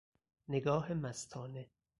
نگاه مستانه